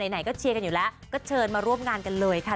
ไหนก็เชียร์กันอยู่แล้วก็เชิญมาร่วมงานกันเลยค่ะ